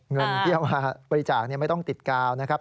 เงินที่เอามาบริจาคไม่ต้องติดกาวนะครับ